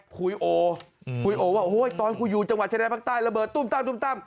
คุยโอคุยโอว่าโอ้ยตอนกูอยู่จังหวัดชายแดนภาคใต้ระเบิดตุ้มตั้มตุ้มตั้ม